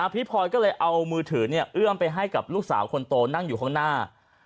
พี่พลอยก็เลยเอามือถือเอื้อมไปให้กับลูกสาวคนโตนั่งอยู่ข้างหน้า